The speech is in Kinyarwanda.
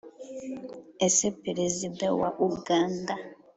ese perezida wa uganda